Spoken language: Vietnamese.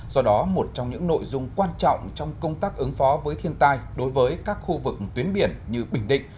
do đó một trong những nội dung quan trọng trong công tác ứng phó với thiên tai đối với các khu vực tuyến biển như bình định